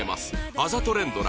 あざと連ドラ